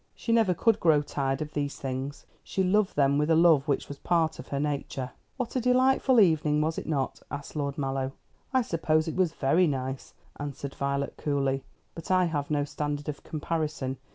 She never could grow tired of these things. She loved them with a love which was part of her nature. "What a delightful evening, was it not?" asked Lord Mallow. "I suppose it was very nice," answered Violet coolly; "but I have no standard of comparison.